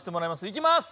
いきます！